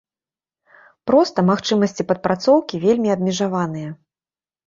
Проста магчымасці падпрацоўкі вельмі абмежаваныя.